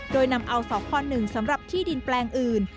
โดยนำเอาสค๑สำหรับที่ดินแปลงอื่น